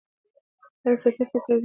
دا سطحي فکر دی.